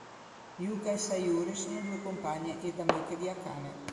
Yuka e Sayuri sono due compagne ed amiche di Akane.